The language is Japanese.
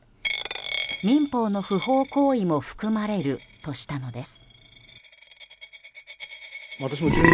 民法の不法行為も含まれるとしたのです。